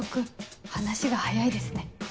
話が早いですね。